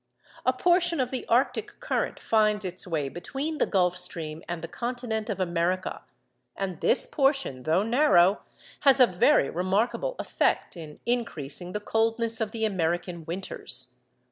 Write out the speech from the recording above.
A portion of the arctic current finds its way between the Gulf Stream and the continent of America; and this portion, though narrow, has a very remarkable effect in increasing the coldness of the American winters.